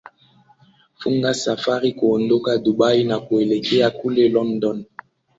funga safari kuondoka dubai na kuelekea kule london